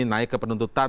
naik ke penuntutan